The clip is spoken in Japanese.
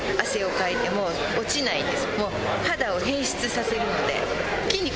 もう肌を変質させるので。